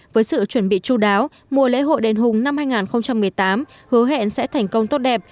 với sự chuẩn bị chú đáo mùa lễ hội đền hùng năm hai nghìn một mươi tám hứa hẹn sẽ thành công tốt đẹp